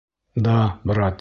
Да, брат!